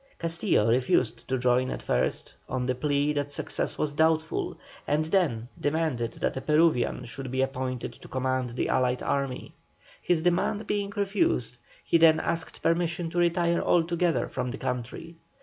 Castillo refused to join at first, on the plea that success was doubtful, and then demanded that a Peruvian should be appointed to command the allied army. His demand being refused, he then asked permission to retire altogether from the country.